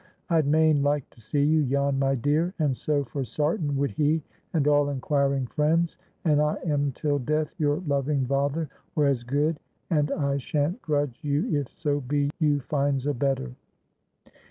I'd main like to see you, Jan, my dear, and so for sartin would he and all enquiring friends; and I am till deth your loving vather, or as good, and I shan't grudge you if so be you finds a better.